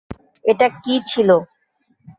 এটা কি ছিল?